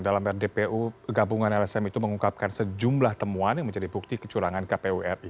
dalam rdpu gabungan lsm itu mengungkapkan sejumlah temuan yang menjadi bukti kecurangan kpu ri